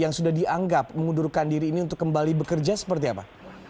yang sudah dianggap mengundurkan diri ini untuk kembali bekerja seperti apa